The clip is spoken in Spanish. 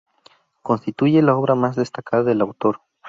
Constituye la obra más destacada del autor.